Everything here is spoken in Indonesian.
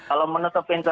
kalau menutup pintu